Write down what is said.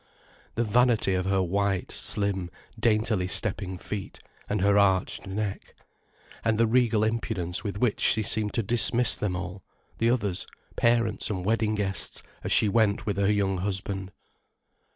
The vanity of her white, slim, daintily stepping feet, and her arched neck. And the regal impudence with which she seemed to dismiss them all, the others, parents and wedding guests, as she went with her young husband.